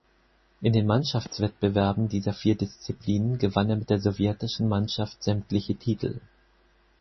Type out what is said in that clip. In den Mannschaftswettbewerben dieser vier Disziplinen gewann er mit der sowjetischen Mannschaft sämtliche Titel.